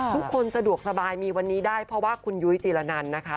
ทุกคนสะดวกสบายมีวันนี้ได้เพราะว่าคุณยุ้ยจีรนันนะคะ